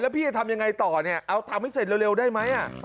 พี่จะทำยังไงต่อเนี่ยเอาทำให้เสร็จเร็วได้ไหม